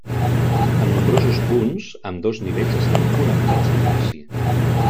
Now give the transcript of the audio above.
En nombrosos punts, ambdós nivells estan connectats entre si.